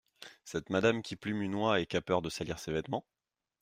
Cette madame qui plume une oie et qu’a peur de salir ses vêtements ?